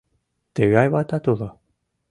Тыгай ватат уло.